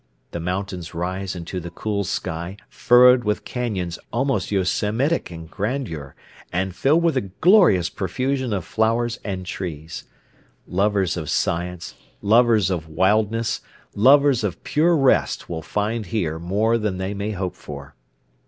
The mountains rise into the cool sky furrowed with cañons almost yosemitic in grandeur, and filled with a glorious profusion of flowers and trees. Lovers of science, lovers of wildness, lovers of pure rest will find here more than they may hope for.